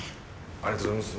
ありがとうございます。